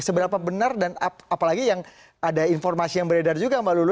seberapa benar dan apalagi yang ada informasi yang beredar juga mbak lulu